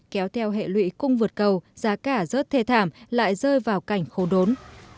kéo theo hệ lụy cung vượt cầu giá cả rớt thề thảm lại rơi vào cảnh khổ đốn